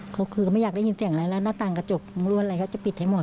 เขาคือก็ไม่อยากได้ยินเสียงอะไรแล้วหน้าต่างกระจกรวนอะไรเขาจะปิดให้หมด